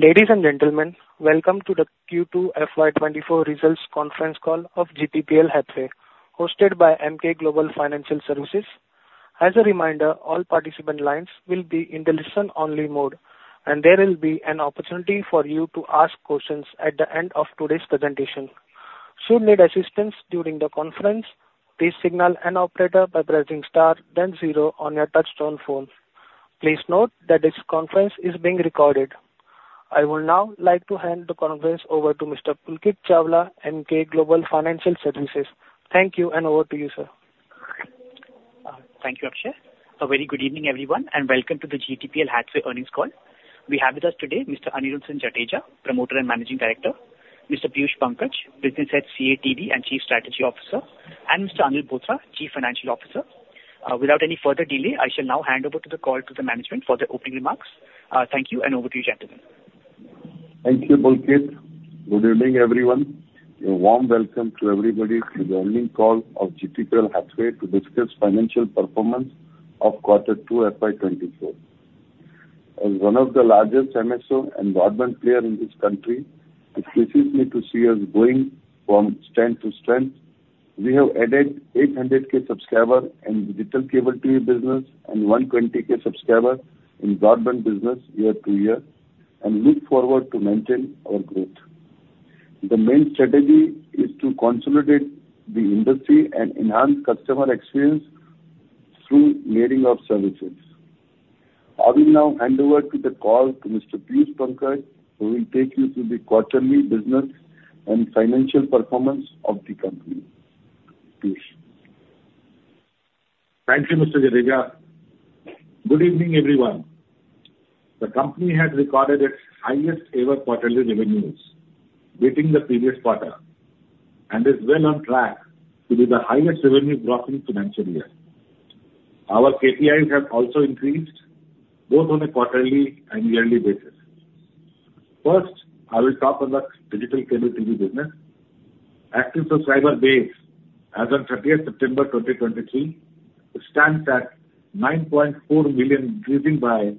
Ladies and gentlemen, welcome to the Q2 FY24 results conference call of GTPL Hathway, hosted by Emkay Global Financial Services. As a reminder, all participant lines will be in the listen-only mode, and there will be an opportunity for you to ask questions at the end of today's presentation. Should you need assistance during the conference, please signal an operator by pressing star then zero on your touchtone phone. Please note that this conference is being recorded. I would now like to hand the conference over to Mr. Pulkit Chawla, Emkay Global Financial Services. Thank you, and over to you, sir. Thank you, Akshay. A very good evening, everyone, and welcome to the GTPL Hathway earnings call. We have with us today Mr. Anirudhsinh Jadeja, Promoter and Managing Director, Mr. Piyush Pankaj, Business Head, CATV and Chief Strategy Officer, and Mr. Anil Bothra, Chief Financial Officer. Without any further delay, I shall now hand over to the call to the management for the opening remarks. Thank you, and over to you, gentlemen. Thank you, Pulkit. Good evening, everyone. A warm welcome to everybody to the earnings call of GTPL Hathway to discuss financial performance of Q2 FY 2024. As one of the largest MSO and broadband player in this country, it pleases me to see us going from strength to strength. We have added 800K subscriber in digital cable TV business and 120K subscriber in broadband business year-over-year, and look forward to maintain our growth. The main strategy is to consolidate the industry and enhance customer experience through layering of services. I will now hand over the call to Mr. Piyush Pankaj, who will take you through the quarterly business and financial performance of the company. Piyush. Thank you, Mr. Jadeja. Good evening, everyone. The company has recorded its highest ever quarterly revenues, beating the previous quarter, and is well on track to be the highest revenue growth in financial year. Our KPIs have also increased both on a quarterly and yearly basis. First, I will talk on the digital cable TV business. Active subscriber base as on 30 September 2023, stands at 9.4 million, increasing by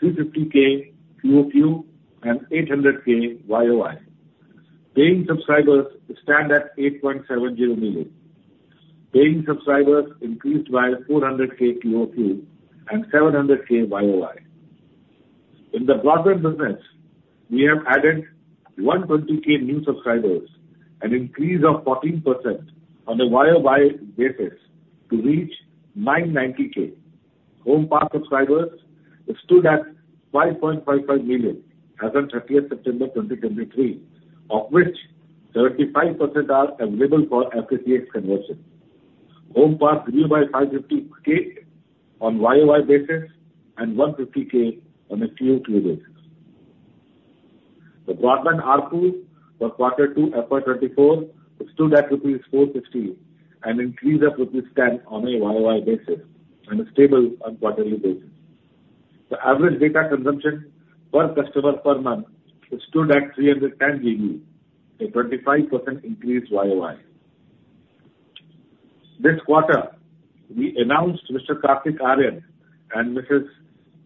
350K QoQ and 800K YoY. Paying subscribers stand at 8.70 million. Paying subscribers increased by 400K QoQ and 700K YoY. In the broadband business, we have added 120K new subscribers, an increase of 14% on a YoY basis to reach 990K. Home pass subscribers stood at 5.55 million as on 30th September 2023, of which 35% are available for FTTX conversion. Home pass grew by 550K on year-over-year basis and 150K on a quarter-over-quarter basis. The broadband ARPU for Q2, FY 2024, stood at rupees 450, an increase of rupees 10 on a year-over-year basis and is stable on quarter-over-quarter basis. The average data consumption per customer per month stood at 310 GB, a 25% increase year-over-year. This quarter, we announced Mr. Kartik Aaryan and Ms.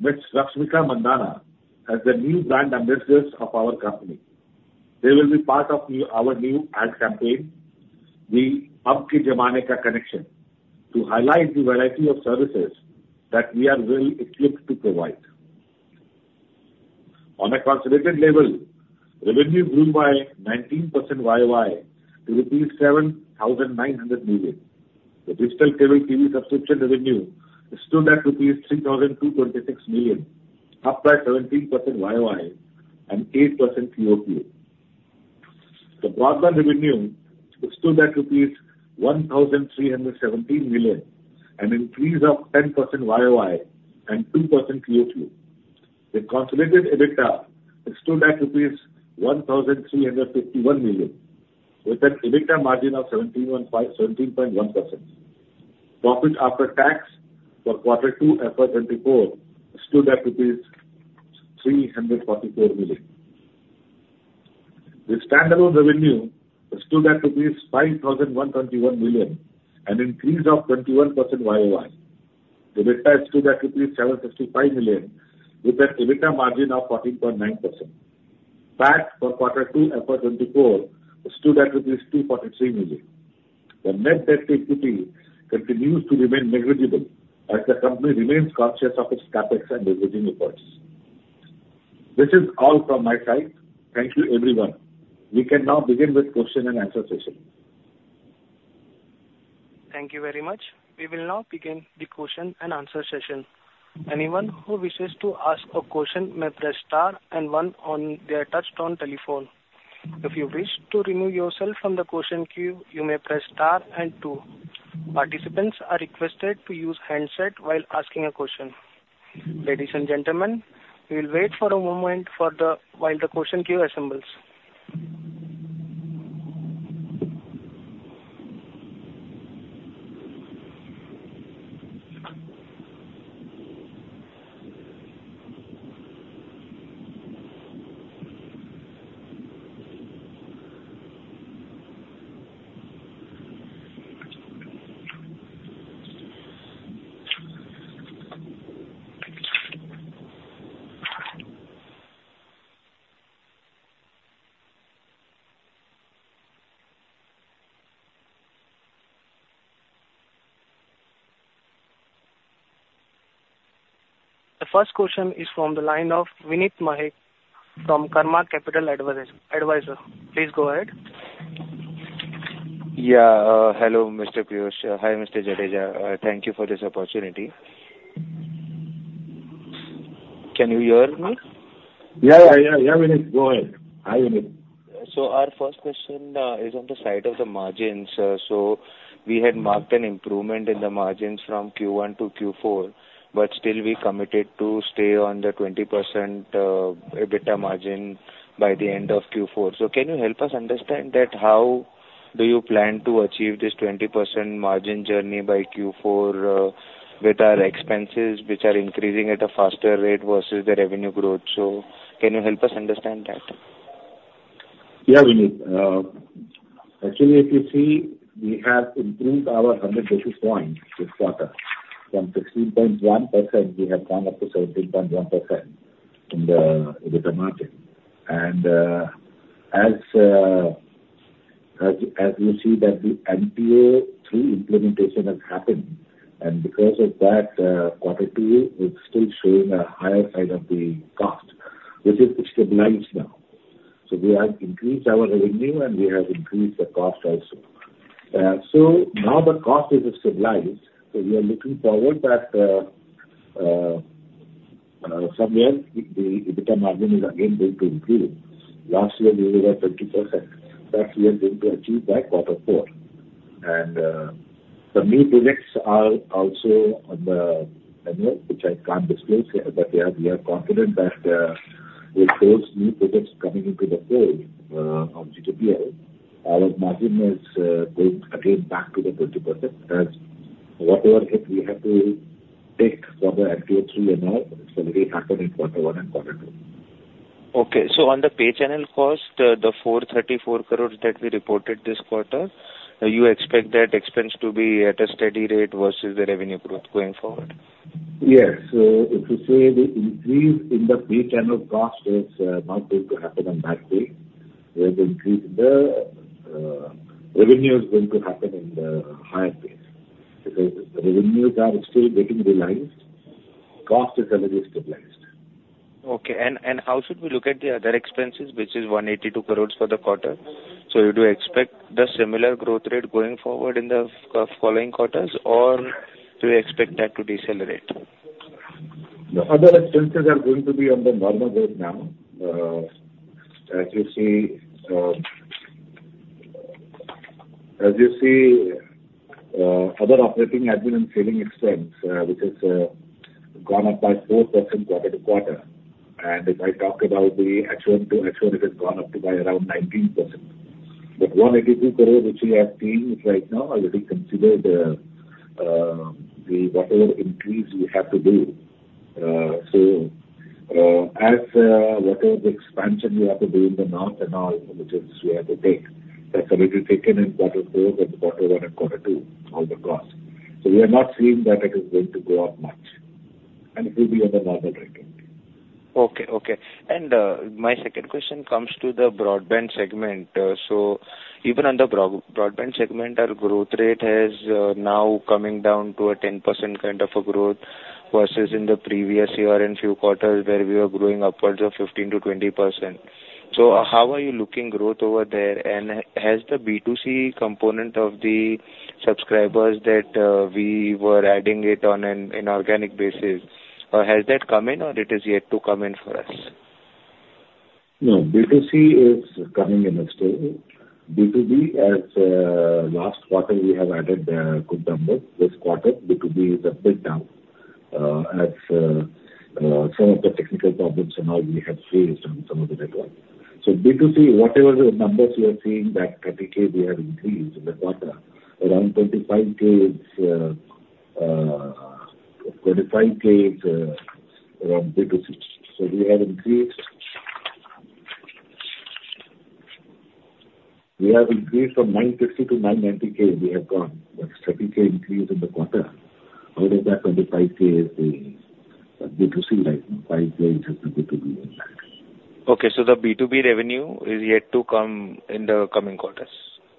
Rashmika Mandanna as the new brand ambassadors of our company. They will be part of our new ad campaign, the Ab Ke Zamane Ka Connection, to highlight the variety of services that we are well equipped to provide. On a consolidated level, revenue grew by 19% YOY to rupees 7,900 million. The digital cable TV subscription revenue stood at rupees 3,226 million, up by 17% YOY and 8% QOQ. The broadband revenue stood at INR 1,317 million, an increase of 10% YOY and 2% QOQ. The consolidated EBITDA stood at rupees 1,351 million, with an EBITDA margin of 17.15-17.1%. Profit after tax for Q2, FY 2024, stood at rupees 344 million. The standalone revenue stood at rupees 5,121 million, an increase of 21% YOY. The EBITDA stood at rupees 755 million, with an EBITDA margin of 14.9%. PAT for Q2, FY 2024, stood at 243 million. The net debt to equity continues to remain negligible as the company remains conscious of its CapEx and dividend efforts. This is all from my side. Thank you, everyone. We can now begin with question and answer session. Thank you very much. We will now begin the question and answer session. The first question is from the line of Vinit Manek from Karma Capital Advisors. Please go ahead. Yeah, hello, Mr. Piyush. Hi, Mr. Jadeja. Thank you for this opportunity. Can you hear me? Yeah, yeah, yeah, Vineet, go ahead. Hi, Vineet. So our first question is on the side of the margins. So we had marked an improvement in the margins from Q1 to Q4, but still we committed to stay on the 20% EBITDA margin by the end of Q4. So can you help us understand that how do you plan to achieve this 20% margin journey by Q4 with our expenses, which are increasing at a faster rate versus the revenue growth? So can you help us understand that? Yeah, Vineet. Actually, if you see, we have improved our 100 basis points this quarter. From 16.1%, we have gone up to 17.1% in the, in the margin. And, as, as, as you see that the NTO 3 implementation has happened, and because of that, Q2 is still showing a higher side of the cost, which is stabilized now. So we have increased our revenue, and we have increased the cost also. So now the cost is stabilized, so we are looking forward that, from here, the EBITDA margin is again going to improve. Last year, we were at 20%. That we are going to achieve by Q4. The new products are also on the anvil, which I can't disclose, but we are, we are confident that with those new products coming into the fold, on GTPL, our margin is going again back to the 20%. As whatever hit we have to take from the NTO 3 and all, it's already happened in Q1 and Q2. Okay. So on the pay channel cost, the 434 crore that we reported this quarter, do you expect that expense to be at a steady rate versus the revenue growth going forward? Yes. So if you say the increase in the pay channel cost is not going to happen on that day, we are going to increase the revenue is going to happen in the higher pace. Because the revenues are still getting realized, cost is already stabilized. Okay. And how should we look at the other expenses, which is 182 crore for the quarter? So you do expect the similar growth rate going forward in the following quarters, or do you expect that to decelerate? The other expenses are going to be on the normal growth now. As you see, as you see, other operating admin and selling expense, which has, gone up by 4% quarter-over-quarter. And if I talk about the actual to actual, it has gone up to by around 19%. But 182 crore, which we are seeing right now, already considered, the, whatever increase we have to do. So, as, whatever the expansion we have to do in the north and all, which is we have to take, that's already taken in Q4 and Q1 and Q2, all the costs. So we are not seeing that it is going to go up much, and it will be on the normal rate only. Okay, okay. My second question comes to the broadband segment. So even on the broadband segment, our growth rate is now coming down to a 10% kind of a growth versus in the previous year and few quarters, where we were growing upwards of 15%-20%. So how are you looking growth over there? And has the B2C component of the subscribers that we were adding it on an organic basis has that come in or it is yet to come in for us? No, B2C is coming in a stable. B2B, as last quarter, we have added a good number. This quarter, B2B is a bit down, as some of the technical problems and all we have faced on some of the network. So B2C, whatever the numbers we are seeing, that 30K we have increased in the quarter. Around 35K is 35K is from B2C. So we have increased... We have increased from 950 to 990K, we have gone. That's 30K increase in the quarter. Out of that, 35K is the B2C, right. 5K is the B2B one. Okay, so the B2B revenue is yet to come in the coming quarters?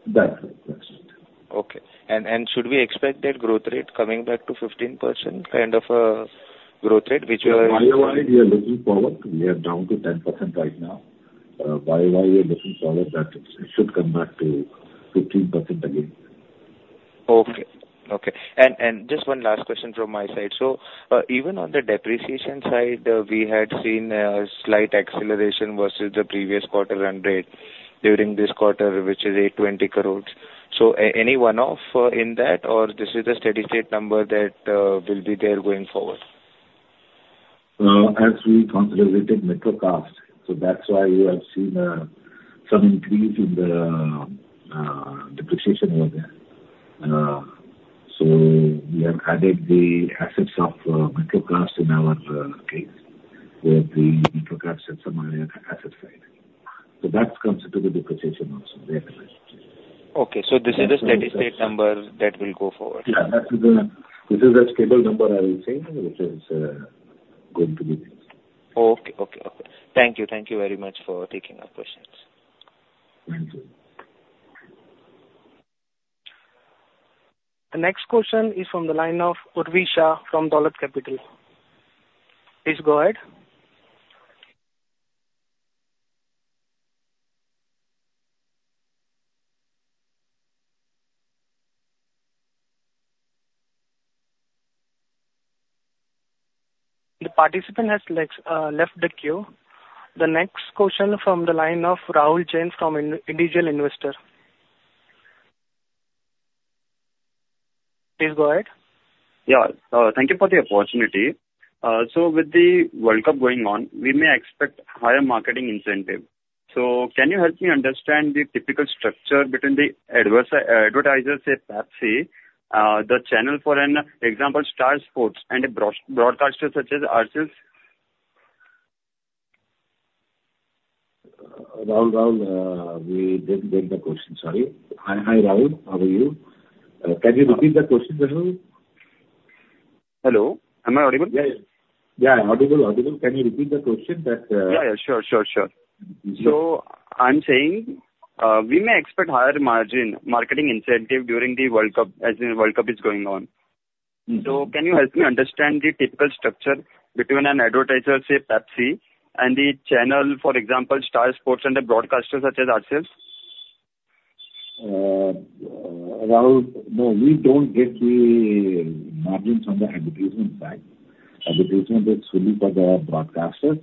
That's it. That's it. Okay. And should we expect that growth rate coming back to 15%, kind of a growth rate, which you are- We are looking forward. We are down to 10% right now. Why, why we are looking forward, that it should come back to 15% again. Okay. Okay. Just one last question from my side. So, even on the depreciation side, we had seen a slight acceleration versus the previous quarter run rate during this quarter, which is 820 crores. So any one-off in that, or this is a steady state number that will be there going forward? As we consolidated Metrocast, so that's why you have seen some increase in the depreciation over there. So we have added the assets of Metrocast in our case, with the Metrocast and some other asset side. So that comes into the depreciation also, there it is.... Okay, so this is a steady state number that will go forward? Yeah, that is, this is a stable number I will say, which is going to be. Okay. Okay, okay. Thank you. Thank you very much for taking our questions. Thank you. The next question is from the line of Urvi Shah from Dolat Capital. Please go ahead. The participant has left the queue. The next question from the line of Rahul Jain from Individual Investor. Please go ahead. Yeah, thank you for the opportunity. So with the World Cup going on, we may expect higher marketing incentive. So can you help me understand the typical structure between the advertisers, say Pepsi, the channel, for an example, Star Sports, and a broadcaster such as RJIL? Rahul, Rahul, we didn't get the question. Sorry. Hi, Rahul. How are you? Can you repeat the question, Rahul? Hello, am I audible? Yeah, yeah. Yeah, audible, audible. Can you repeat the question that- Yeah, yeah. Sure, sure, sure. Mm-hmm. So I'm saying, we may expect higher margin marketing incentive during the World Cup, as the World Cup is going on. Mm-hmm. Can you help me understand the typical structure between an advertiser, say Pepsi, and the channel, for example, Star Sports, and a broadcaster such as RJIL? Rahul, no, we don't get the margins from the advertisement side. Advertisement is only for the broadcasters.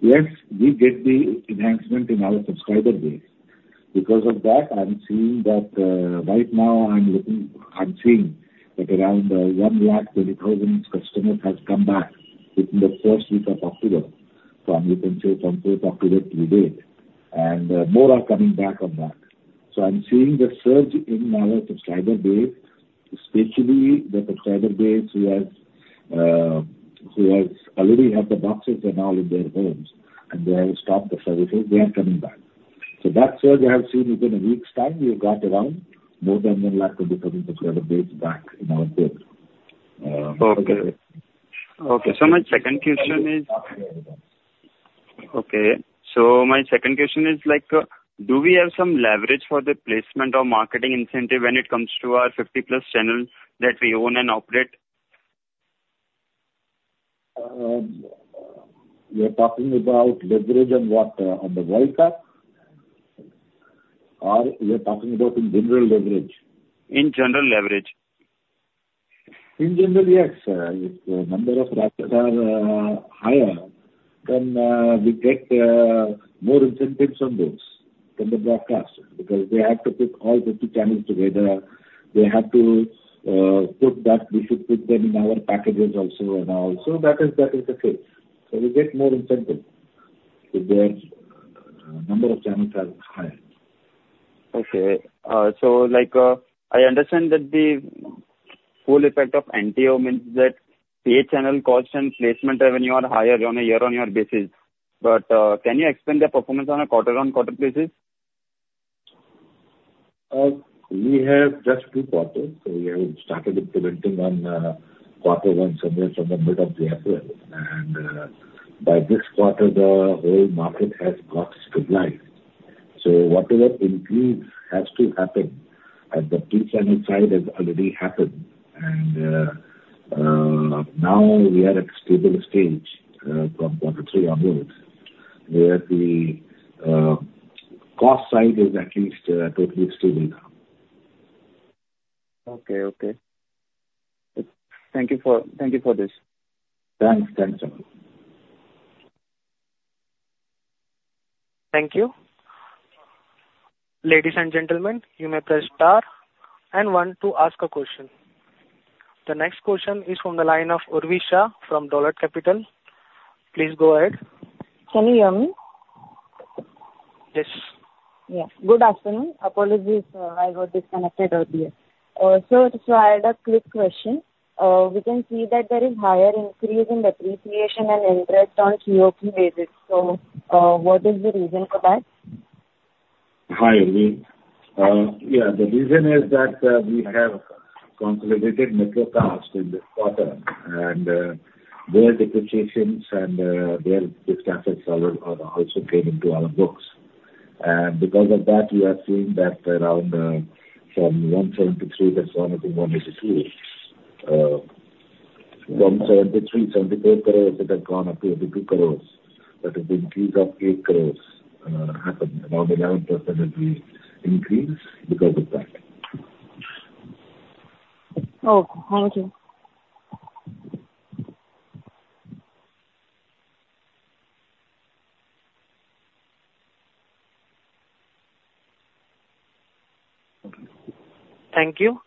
Yes, we get the enhancement in our subscriber base. Because of that, I'm seeing that right now, around 120,000 customers have come back within the first week of October, from, you can say, from post-October to date. And more are coming back on that. So I'm seeing the surge in our subscriber base, especially the subscriber base who has already have the boxes and all in their homes, and they have stopped the services, they are coming back. So that's where we have seen within a week's time, we have got around more than 100,000 subscriber base back in our base. Okay, so my second question is, like, do we have some leverage for the placement or marketing incentive when it comes to our 50+ channels that we own and operate? You are talking about leverage on what, on the World Cup? Or you are talking about in general leverage? In general leverage. In general, yes. If the number of racks are higher, then we take more incentives on those than the broadcasters, because they have to put all the 50 channels together. They have to put that, we should put them in our packages also and all. So that is, that is the case. So we get more incentive if their number of channels are higher. Okay. So, like, I understand that the full effect of NTO means that pay channel costs and placement revenue are higher on a year-over-year basis. But, can you explain the performance on a quarter-over-quarter basis? We have just two quarters. So we have started implementing on Q1, somewhere from the mid of April. And by this quarter, the whole market has got stabilized. So whatever increase has to happen at the pay channel side has already happened. And now we are at a stable stage from Q3 onwards, where the cost side is at least totally stable now. Okay, okay. Thank you for, thank you for this. Thanks. Thank you. Thank you. Ladies and gentlemen, you may press Star and One to ask a question. The next question is from the line of Urvi Shah from Dolat Capital. Please go ahead. Can you hear me? Yes. Yeah. Good afternoon. apologies, I got disconnected earlier. So, I had a quick question. We can see that there is higher increase in depreciation and interest on QOQ basis. So, what is the reason for that? Hi, Urvi. Yeah, the reason is that, we have consolidated Metrocast in this quarter, and, their depreciations and, their fixed assets are, are also came into our books. Because of that, we are seeing that around, from 173, that's gone up to 183. 173.78 crores, it has gone up to 82 crores. That is the increase of 8 crores, happened, and on the round percentage we increase because of that. Okay. Okay. Thank you.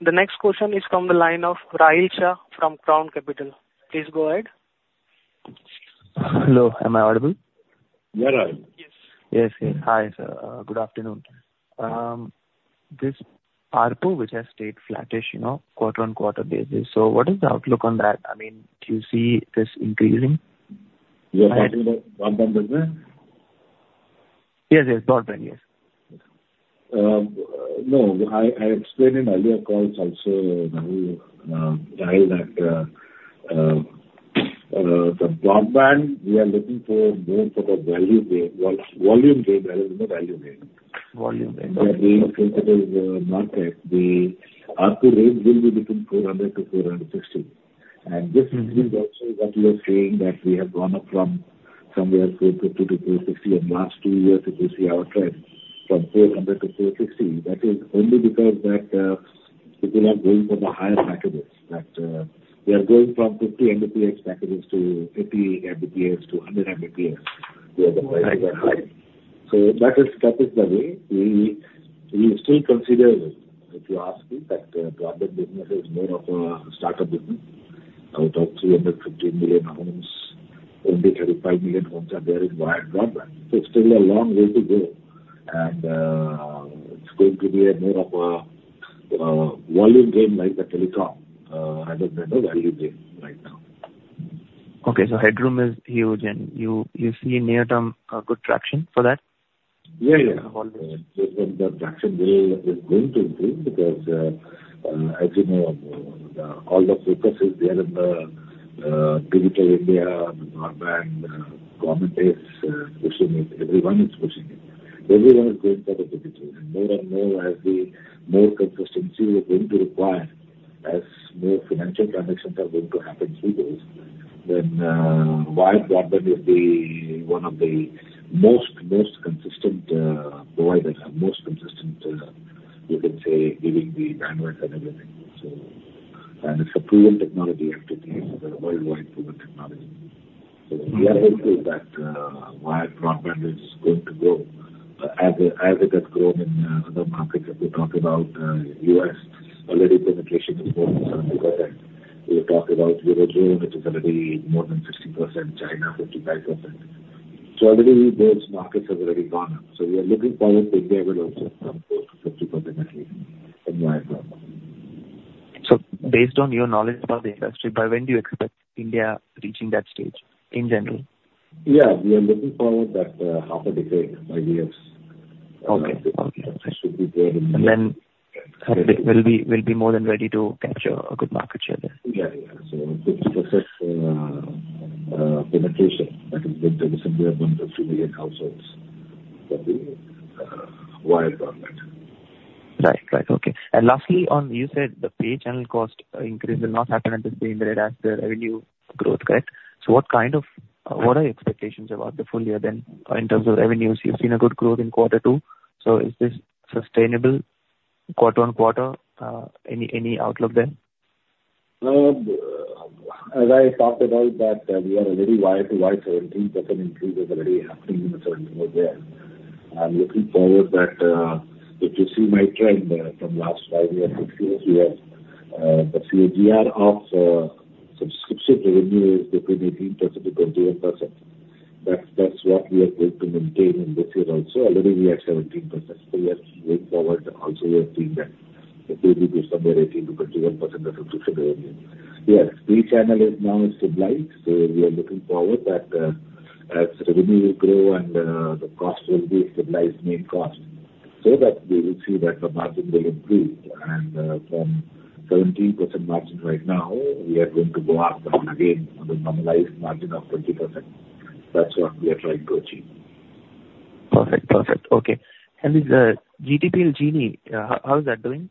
The next question is from the line of Rahil Shah from Crown Capital. Please go ahead. Hello, am I audible? You are audible. Yes. Yes, yes. Hi, sir. Good afternoon. This ARPU, which has stayed flattish, you know, quarter-on-quarter basis. So what is the outlook on that? I mean, do you see this increasing?... You are talking about broadband business? Yes, yes, broadband, yes. No, I explained in earlier calls also, that we guide that the broadband, we are looking for more sort of value base, volume gain rather than the value gain. Volume gain. We think it is not that the RP range will be between 400-460. This is also what you are saying, that we have gone up from somewhere 450-460 in the last two years. If you see our trend from 400-460, that is only because that people are going for the higher packages, that we are going from 50 Mbps packages to 80 Mbps to 100 Mbps. Yeah. So that is definitely, we, we still consider, if you ask me, that, broadband business is more of a startup business. Out of 350 million homes, only 35 million homes are there in wired broadband. So it's still a long way to go. And, it's going to be a more of a, volume game like the telecom, and then a value game right now. Okay, so headroom is huge, and you, you see near term, good traction for that? Yeah, yeah. Okay. The traction is going to increase because, as you know, all the focus is there in the Digital India, the broadband, government is pushing it, everyone is pushing it. Everyone is going for the digital, and more and more as the more consistency we're going to require, as more financial transactions are going to happen through this, then, wireline broadband is the one of the most consistent providers and most consistent, you can say, giving the bandwidth and everything. So... And it's a proven technology, I have to say, it's a worldwide proven technology. So we are hopeful that, wireline broadband is going to grow, as it has grown in other markets. If we talk about US, already penetration is more than 70%. We talk about Europe, which is already more than 60%, China, 55%. So already those markets have already gone up. So we are looking forward, India will also come to 50% at least in wireline broadband. Based on your knowledge about the industry, by when do you expect India reaching that stage, in general? Yeah, we are looking forward that, half a decade, 5 years. Okay. Okay. It should be there in- Then we'll be more than ready to capture a good market share there. Yeah, yeah. 50% penetration, that is with the recently up to 3 million households for the wireline broadband. Right. Right. Okay. And lastly, on you said the pay channel cost increase will not happen at the same rate as the revenue growth, correct? So what kind of... What are your expectations about the full year then, in terms of revenues? You've seen a good growth in Q2, so is this sustainable quarter on quarter? Any outlook then? As I talked about that, we are already YOY 17% increase is already happening in this year. I'm looking forward that, if you see my trend, from last five years, six years, we have the CAGR of subscription revenue is between 18%-21%. That's what we are going to maintain in this year also. Already we are at 17%, so we are going forward also maintaining that. It will be somewhere 18%-21% of subscription revenue. Yes, pay channel is now stabilized, so we are looking forward that, as revenue will grow and the cost will be a stabilized main cost, so that we will see that the margin will improve. From 17% margin right now, we are going to go up again on the normalized margin of 20%. That's what we are trying to achieve. Perfect. Perfect. Okay. And this, GTPL Genie, how is that doing?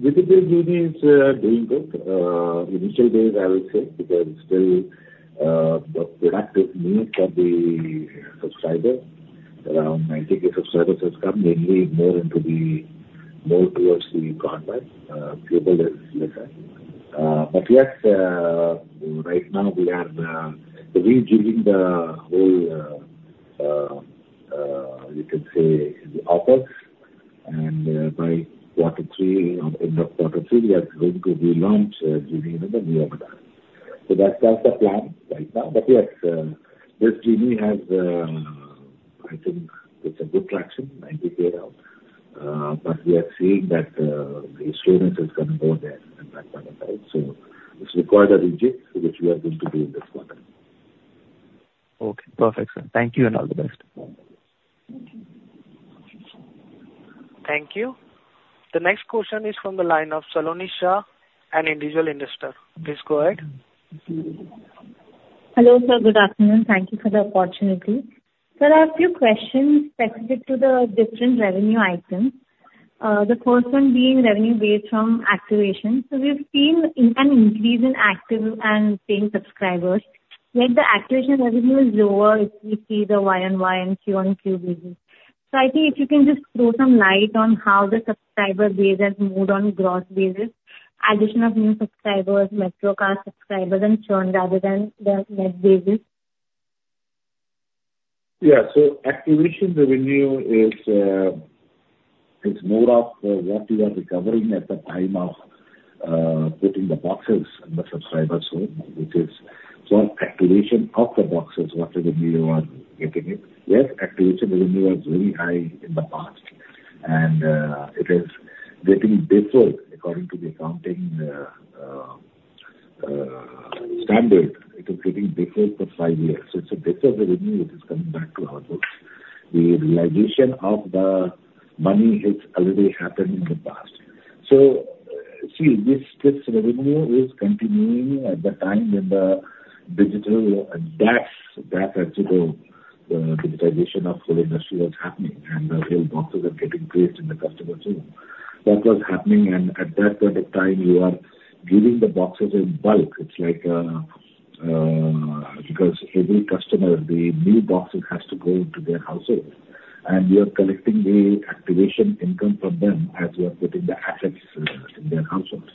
GTPL Genie is doing good. Initial days, I would say, because still the proactive news for the subscriber, around 90K subscribers has come, mainly more into the... More towards the broadband, cable is lesser. But yes, right now we are reviewing the whole, you can say, the offers, and by Q3, or end of Q3, we are going to relaunch Genie in the new avatar. So that's the plan right now. But yes, this Genie has, I think it's a good traction, 90K out. But we are seeing that the slowness has come more there in that point in time. So it's required a rejig, which we are going to do in this quarter. Okay, perfect, sir. Thank you, and all the best. Thank you. The next question is from the line of Saloni Shah, an individual investor. Please go ahead. Hello, sir. Good afternoon. Thank you for the opportunity. Sir, I have a few questions specific to the different revenue items. The first one being revenue based from activation. We've seen an increase in active and paying subscribers, yet the activation revenue is lower, if we see the YOY and QOQ basis. I think if you can just throw some light on how the subscriber base has moved on gross basis, addition of new subscribers, Metrocast subscribers, and churn rather than the net basis. Yeah. So activation revenue is more of what you are recovering at the time of putting the boxes in the subscriber home, which is, so activation of the boxes, what the revenue are getting it. Yes, activation revenue was very high in the past.... And it is getting better according to the accounting standard. It is getting better for five years. It's a better revenue which is coming back to our books. The realization of the money, it's already happened in the past. So see, this revenue is continuing at the time when the digital, that's, that actual digitization of the industry was happening, and the real boxes are getting created in the customer too. That was happening, and at that point of time, you are giving the boxes in bulk. It's like, because every customer, the new boxes has to go into their household, and you are collecting the activation income from them as you are putting the assets in their households.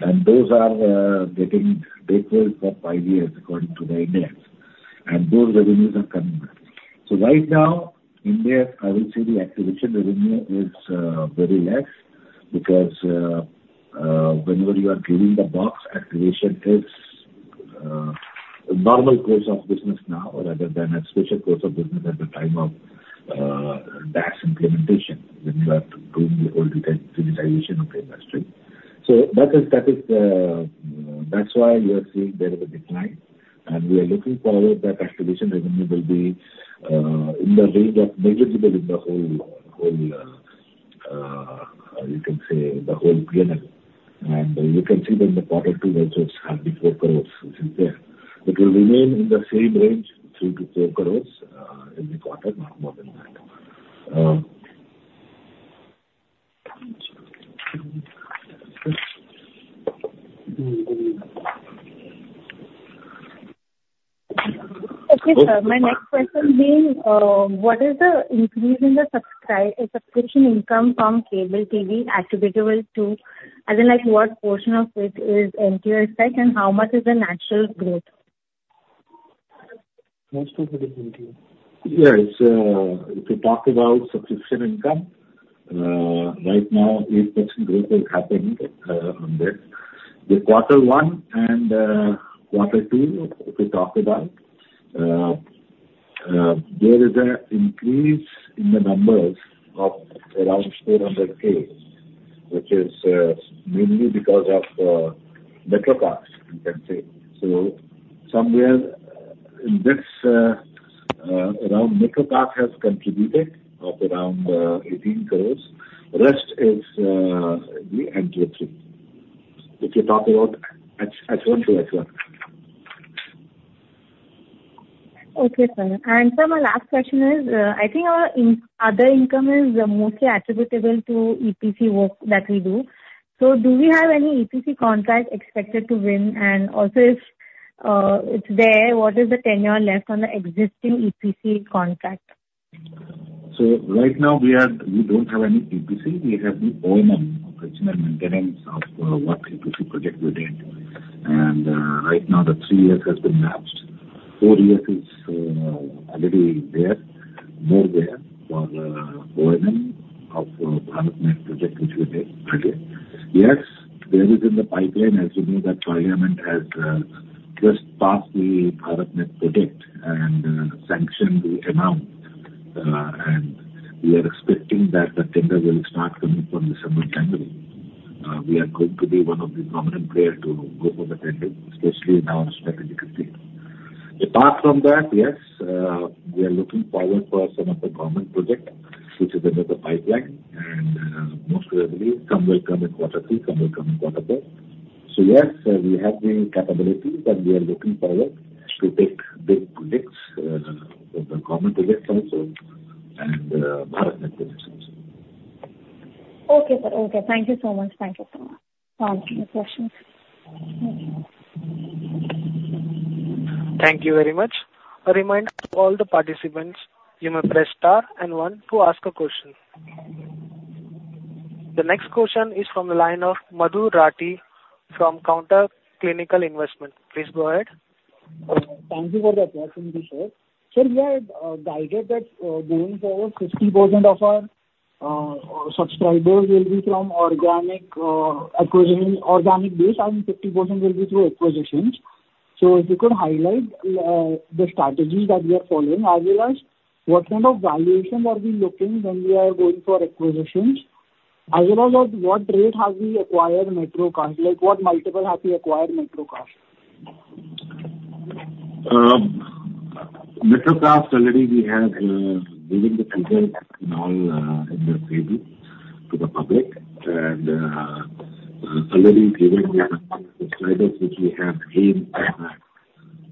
And those are getting paid for five years according to the index, and those revenues are coming back. So right now, India, I will say the activation revenue is very less because, whenever you are giving the box, activation is a normal course of business now rather than a special course of business at the time of tax implementation, when you are doing the whole digitization of the industry. So that is, that's why you are seeing there is a decline, and we are looking forward that activation revenue will be, in the range of negligible in the whole, you can say, the whole PNL. And you can see that in the Q2, also it's hardly 4 crore is there. It will remain in the same range, 3 crore-4 crore, in the quarter, not more than that. Okay, sir. My next question being, what is the increase in the subscription income from cable TV attributable to? And then, like, what portion of it is NTO effect, and how much is the natural growth? Yes, if you talk about subscription income, right now, 8% growth is happening on this. The Q1 and Q2, if we talk about, there is a increase in the numbers of around 400K, which is mainly because of Metrocast, you can say. So somewhere in this, around Metrocast has contributed of around 18 crore. Rest is the NTO 3. If you're talking about H1 to H1. Okay, sir. And sir, my last question is, I think our other income is mostly attributable to EPC work that we do. So do we have any EPC contract expected to win? And also, if it's there, what is the tenure left on the existing EPC contract? So right now, we don't have any EPC. We have the O&M, operational maintenance of what EPC project we did. And right now, the 3 years has been lapsed. 4 years is already there, more there for the O&M of BharatNet project, which we did earlier. Yes, there is in the pipeline, as you know, the parliament has just passed the BharatNet project and sanctioned the amount. And we are expecting that the tender will start coming from December calendar. We are going to be one of the prominent player to go for the tender, especially in our strategic field. Apart from that, yes, we are looking forward for some of the government project, which is under the pipeline, and most probably some will come in Q3, some will come in Q4. So yes, we have the capabilities, and we are looking forward to take big projects with the government projects also, and BharatNet projects also. Okay, sir. Okay. Thank you so much. Thank you so much. I have no more questions. Thank you very much. A reminder to all the participants, you may press star and one to ask a question. The next question is from the line of Madhu Rathi from Counter Cyclical Investments. Please go ahead. Thank you for the opportunity, sir. Sir, we are guided that, going forward, 50% of our subscribers will be from organic acquisition, organic base, and 50% will be through acquisitions. So if you could highlight the strategy that we are following, as well as what kind of valuation are we looking when we are going for acquisitions, as well as what rate have we acquired Metrocast? Like, what multiple have we acquired Metrocast? Metrocast, already we have given the figures now in the preview to the public. Already given the subscribers which we have gained,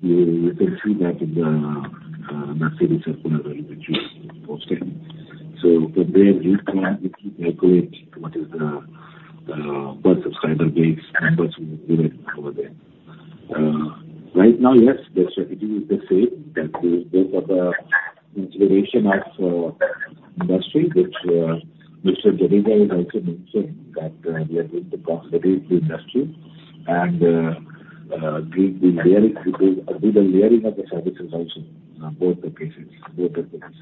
you can see that in the series in which we posted. So for them, we keep echoing what is the per subscriber base and what we did over there. Right now, yes, the strategy is the same. That is, because of the integration of industry, which Mr. Jadeja has also mentioned, that we are going to cross-sell the industry. Build the layering, build the layering of the services also, both the cases, both the cases.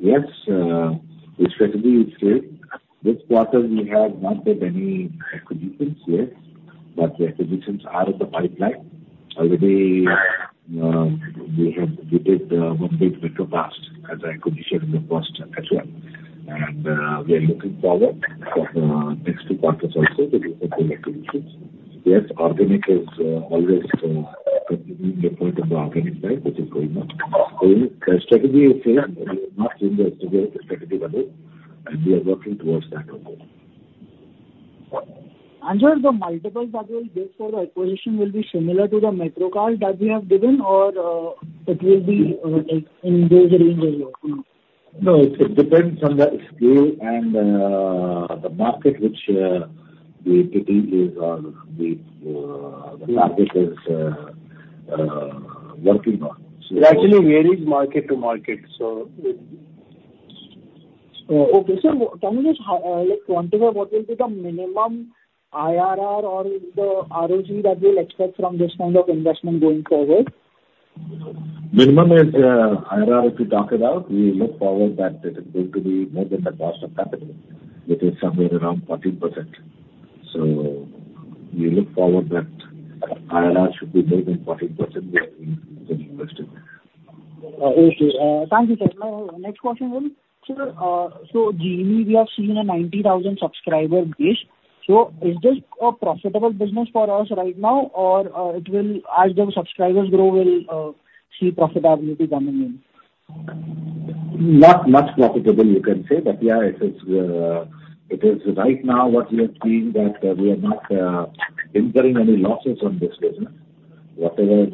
Yes, the strategy is same. This quarter, we have not made any acquisitions yet, but the acquisitions are in the pipeline. Already, we have completed one big MetroCast as an acquisition in the past as well. And, we are looking forward for next two quarters also to do some good acquisitions. Yes, organic is always continuing the point of the organic side, which is going on. So the strategy is same, we have not changed our strategy yet, and we are working towards that only. Sir, the multiples that will give for the acquisition will be similar to the Metrocast that we have given or, it will be, like in those range as well? No, it depends on the scale and the market which the OTT is or the market is working on. It actually varies market to market, so- Okay, sir. Can you just, like point out what will be the minimum IRR or the ROG that we'll expect from this kind of investment going forward? Minimum is IRR, if you talk about, we look forward that it is going to be more than the cost of capital, which is somewhere around 14%. So we look forward that IRR should be more than 14% where we are investing. Okay. Thank you, sir. My next question is: Sir, so Genie, we have seen a 90,000 subscriber base. So is this a profitable business for us right now, or it will... As the subscribers grow, we'll see profitability coming in? Not, not profitable, you can say, but yeah, it is, it is right now what we are seeing that, we are not, incurring any losses on this business. Whatever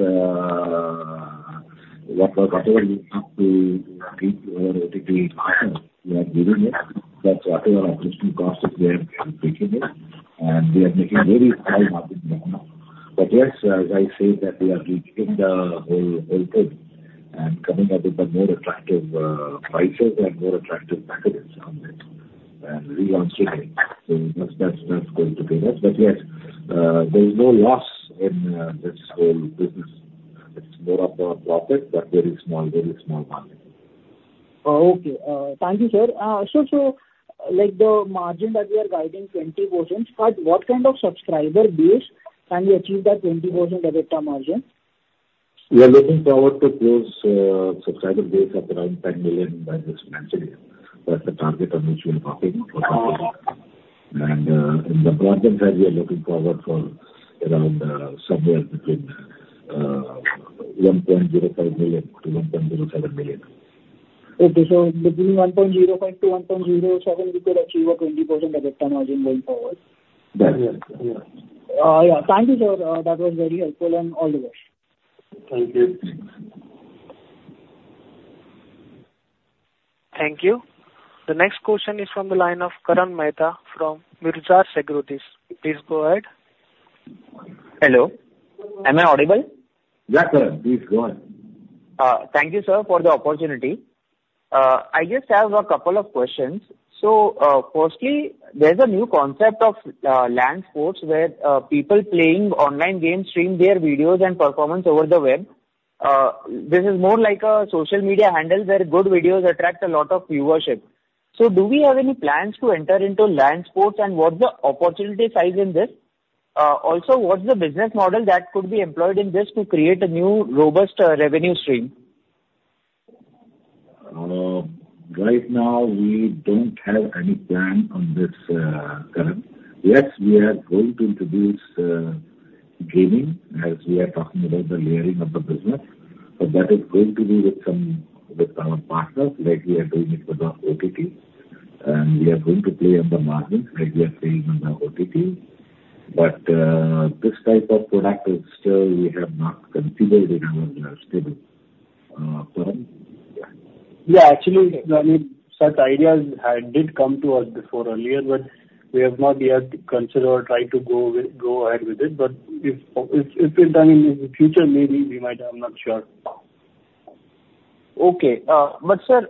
we have to give our OTT partner, we are giving it. That's whatever additional costs we are taking it, and we are making very small margins now. But yes, as I said, that we are reaching the whole thing and coming up with a more attractive, prices and more attractive packages on it and relaunching it. So that's going to be it. But yes, there is no loss in, this whole business. It's more of a profit, but very small margin. Oh, okay. Thank you, sir. So, so, like, the margin that we are guiding 20%, at what kind of subscriber base can we achieve that 20% EBITDA margin? We are looking forward to close subscriber base at around 10 million by this financial year. That's the target on which we are working. Uh- In the broadband side, we are looking forward for around, somewhere between 1.05 million-1.07 million. Okay. So between 1.05-1.07, we could achieve a 20% EBITDA margin going forward. Yes. Yes. Yeah. Thank you, sir. That was very helpful, and all the best. Thank you. The next question is from the line of Karan Mehta from Nirzar Securities. Please go ahead. Hello, am I audible? Yeah, Karan, please go ahead. Thank you, sir, for the opportunity. I just have a couple of questions. So, firstly, there's a new concept of LAN sports, where people playing online games stream their videos and performance over the web. This is more like a social media handle, where good videos attract a lot of viewership. So do we have any plans to enter into LAN sports, and what's the opportunity size in this? Also, what's the business model that could be employed in this to create a new robust revenue stream? Right now, we don't have any plan on this, Karan. Yes, we are going to introduce gaming, as we are talking about the layering of the business, but that is going to be with some, with our partners, like we are doing it with the OTT. And we are going to play on the margins, like we are playing on the OTT. But, this type of product is still we have not considered in our stable, Karan. Yeah, actually, I mean, such ideas did come to us before earlier, but we have not yet considered or tried to go ahead with it. But if it's done in the future, maybe we might. I'm not sure. Okay. But sir,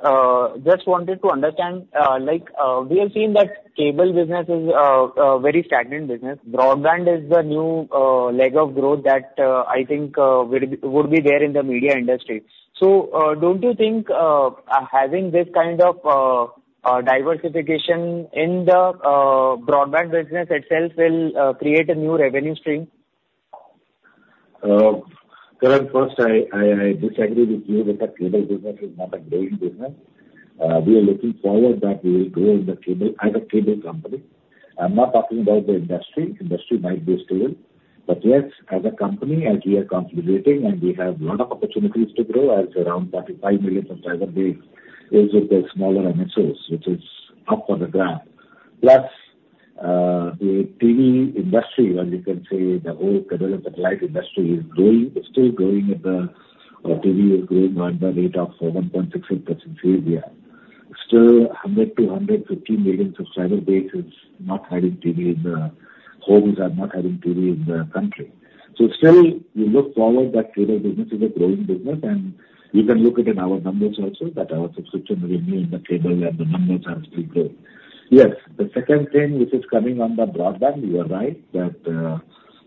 just wanted to understand, like, we have seen that cable business is a very stagnant business. Broadband is the new leg of growth that, I think, will be, would be there in the media industry. So, don't you think, having this kind of diversification in the broadband business itself will create a new revenue stream? Karan, first, I disagree with you that the cable business is not a growing business. We are looking forward that we will grow in the cable, as a cable company. I'm not talking about the industry. Industry might be stable. But yes, as a company, as we are consolidating, and we have lot of opportunities to grow as around 35 million subscriber base is with the smaller MSOs, which is up for the grab. Plus, the TV industry, or you can say the whole cable and satellite industry, is growing, it's still growing at the... TV is growing at the rate of 1.66% year-over-year. Still, 100-150 million subscriber base is not having TV in the homes are not having TV in the country. So still, we look forward that cable business is a growing business, and you can look it in our numbers also, that our subscription remains in the cable, and the numbers are still growing. Yes, the second thing, which is coming on the broadband, you are right, that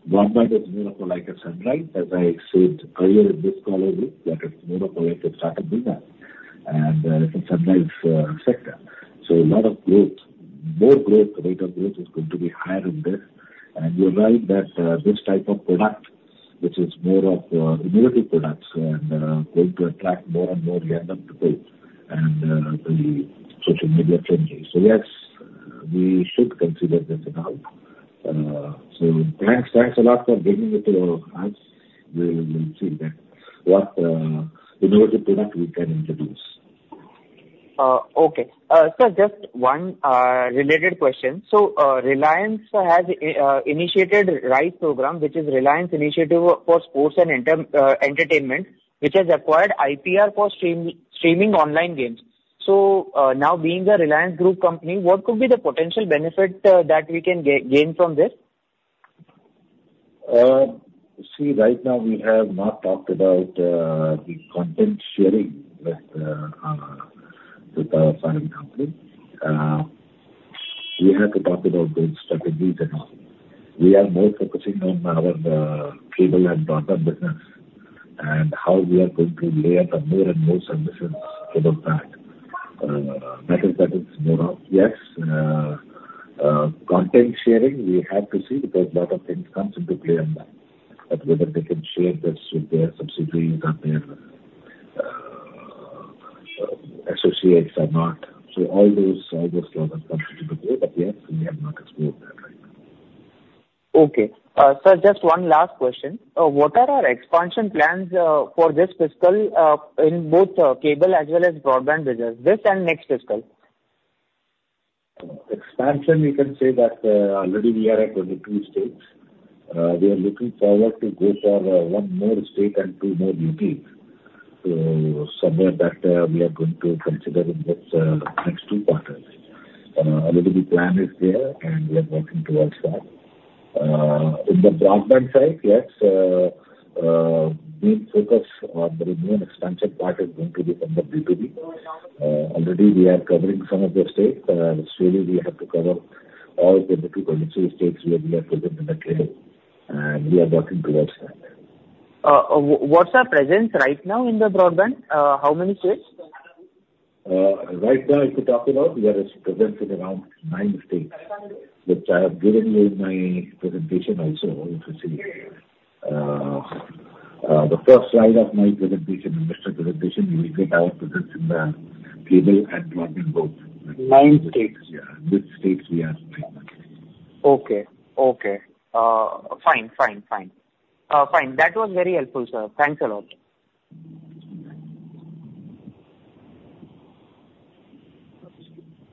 one by the monopoly-like sunrise, as I said earlier in this call, that is monopoly-like startup business and in sunrise sector. So a lot of growth, more growth, rate of growth is going to be higher in this. And you're right that this type of product, which is more of premium products and going to attract more and more customers to it, and the social media trends. So yes, we should consider this now. So thanks, thanks a lot for bringing it to our attention. We will see that what innovative product we can introduce. Okay. Sir, just one related question. So, Reliance has initiated RISE program, which is Reliance Initiative for Sports and Entertainment, which has acquired IPR for streaming online games. So, now being a Reliance Group company, what could be the potential benefit that we can gain from this? See, right now, we have not talked about the content sharing with our parent company. We have to talk about those strategies and all. We are more focusing on our cable and broadband business, and how we are going to lay out more and more services to the pack. That is, that is more of... Yes, content sharing, we have to see, because a lot of things comes into play in that, but whether they can share this with their subsidiaries or their associates or not. So all those, all those things comes into play, but yes, we have not explored that right now. Okay. Sir, just one last question. What are our expansion plans for this fiscal in both cable as well as broadband business, this and next fiscal? Expansion, we can say that already we are at 22 states. We are looking forward to go for one more state and two more cities. So somewhere that we are going to consider in this next two quarters. Already the plan is there, and we are working towards that. In the broadband side, yes, main focus on the new expansion part is going to be from the B2B. Already we are covering some of the states. Surely we have to cover all the 22, 23 states where we are present in the cable, and we are working towards that. What's our presence right now in the broadband? How many states? Right now, if you talk about, we are present in around nine states, which I have given in my presentation also. If you see, the first slide of my presentation, investor presentation, you will get our presence in the cable and broadband both. Nine states? Yeah. Which states we are present? Okay. Okay. Fine, fine, fine. Fine. That was very helpful, sir. Thanks a lot.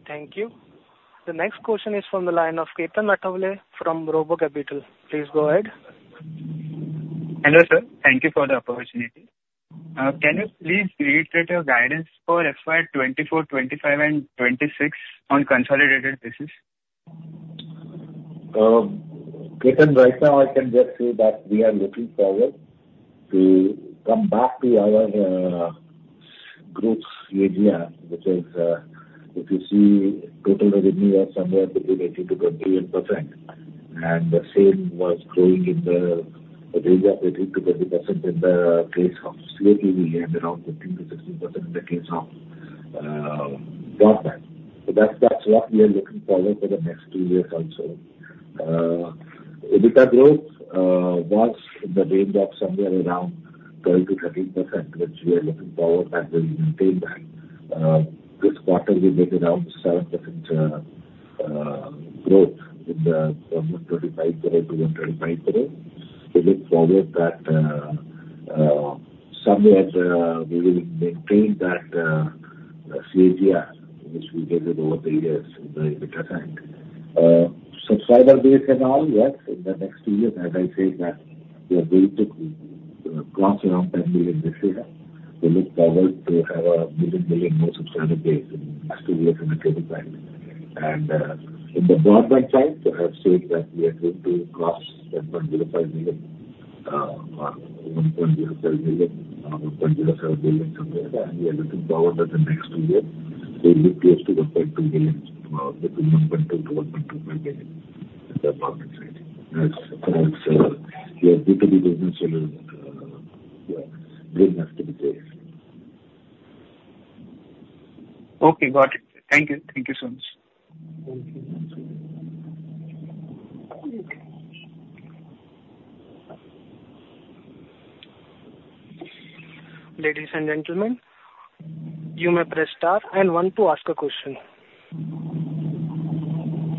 Thank you. The next question is from the line of Ketan Athavale from Robo Capital. Please go ahead. Hello, sir. Thank you for the opportunity. Can you please reiterate your guidance for FY 2024, 2025, and 2026 on consolidated basis? Ketan, right now, I can just say that we are looking forward to come back to our group's CAGR, which is, if you see total revenue of somewhere between 8%-13%, and the same was growing in the range of 8%-13% in the case of CATV, and around 15%-16% in the case of broadband. So that's, that's what we are looking forward for the next two years also. EBITDA growth was in the range of somewhere around 12%-13%, which we are looking forward and will maintain that. This quarter, we made around 7% growth in the from 35%-25%. We look forward that somewhere we will maintain that CAGR, which we did it over the years in the EBITDA side. Subscriber base and all, yes, in the next two years, as I said, that we are going to cross around 10 million this year. We look forward to have 1 million more subscriber base in next two years in the cable side. And in the broadband side, I have said that we are going to cross 10.05 million or 1.05 million, 1.05 million somewhere, and we are looking forward that the next two years, we look forward to 1.2 million between 1.2-1.25 million in the broadband side. That's, we are B2B business, so, yeah, we have to be there. Okay, got it. Thank you. Thank you so much. Thank you. Ladies and gentlemen, you may press star and one to ask a question.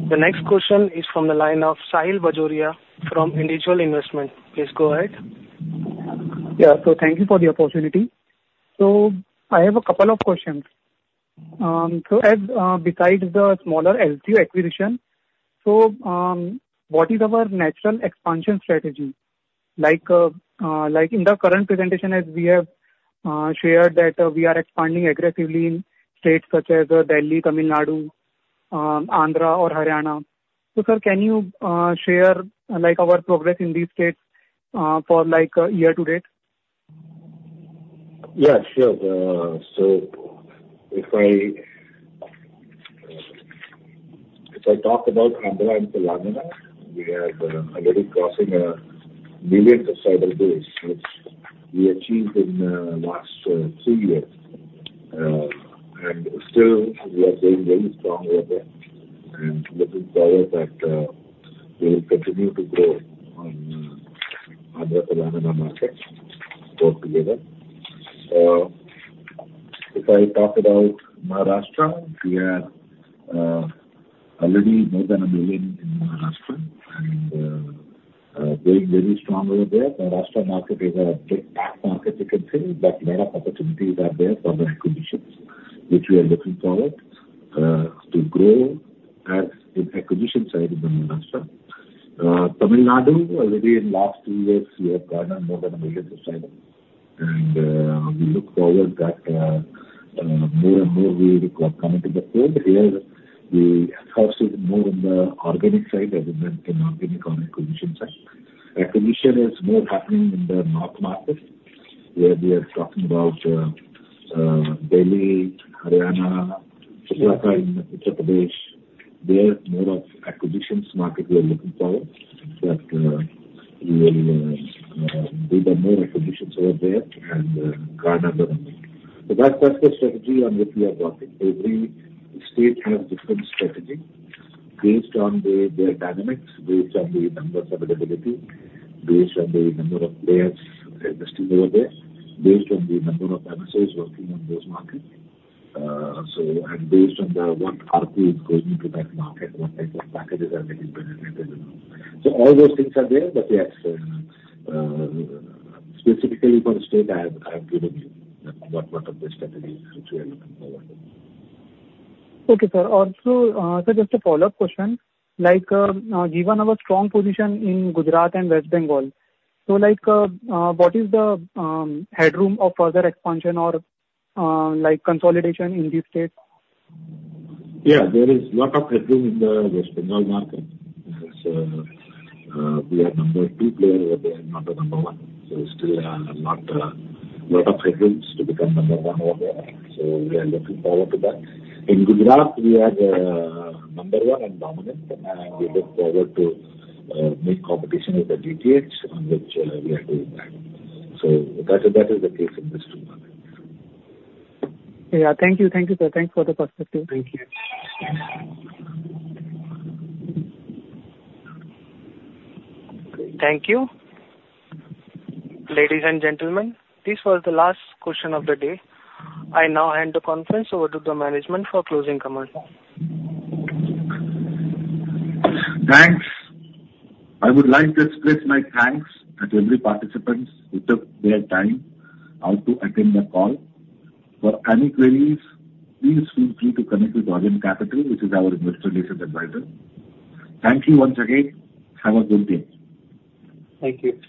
The next question is from the line of Sahil Bajoria from Individual Investor. Please go ahead. Yeah. So thank you for the opportunity. So I have a couple of questions. So as, besides the smaller LT acquisition, so, what is our natural expansion strategy? Like, like in the current presentation, as we have shared that, we are expanding aggressively in states such as Delhi, Tamil Nadu, Andhra or Haryana. So sir, can you share, like, our progress in these states, for, like, year to date? Yeah, sure. So if I talk about Andhra and Telangana, we are already crossing 1 million subscriber base, which we achieved in last 3 years. And still we are going very strong over there, and looking forward that we will continue to grow on Andhra Telangana market both together. So if I talk about Maharashtra, we are already more than 1 million in Maharashtra, and going very strong over there. Maharashtra market is a tough market, you can say, but lot of opportunities are there for the acquisitions, which we are looking forward to grow as in acquisition side in Maharashtra. Tamil Nadu, already in last 2 years, we have grown more than 1 million subscribers, and we look forward that more and more we will be coming to the field. Here, we focus even more on the organic side, as in than organic on acquisition side. Acquisition is more happening in the north market, where we are talking about Delhi, Haryana, Uttar Pradesh. There is more of acquisitions market we are looking forward, that we will do the more acquisitions over there and grow number of them. So that's the strategy on which we are working. Every state has different strategy based on the their dynamics, based on the numbers availability, based on the number of players investing over there, based on the number of premises working on those market. So and based on the what ARPU is going into that market, what type of packages are being presented and all. So all those things are there, but yes, specifically for the state, I have given you what are the strategies which we are looking forward. Okay, sir. Also, sir, just a follow-up question. Like, given our strong position in Gujarat and West Bengal, so like, what is the headroom of further expansion or like consolidation in these states? Yeah, there is lot of headroom in the West Bengal market. So, we are number two player over there, not the number one. So still, lot of headrooms to become number one over there, so we are looking forward to that. In Gujarat, we are number one and dominant, and we look forward to meet competition with the DTH, on which we are doing that. So that is, that is the case in these two markets. Yeah. Thank you. Thank you, sir. Thanks for the perspective. Thank you. Thank you. Ladies and gentlemen, this was the last question of the day. I now hand the conference over to the management for closing comments. Thanks. I would like to express my thanks to every participant who took their time out to attend the call. For any queries, please feel free to connect with Orient Capital, which is our investor relations advisor. Thank you once again. Have a good day. Thank you.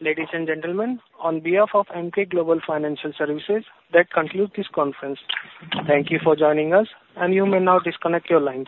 Ladies and gentlemen, on behalf of Emkay Global Financial Services, that concludes this conference. Thank you for joining us, and you may now disconnect your lines.